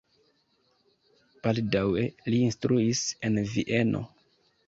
Baldaŭe li instruis en Vieno.